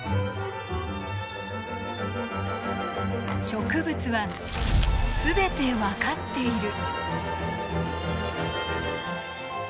植物は全て分かっている。